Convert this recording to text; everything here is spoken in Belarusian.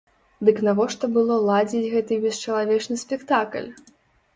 Дык навошта было ладзіць гэты бесчалавечны спектакль?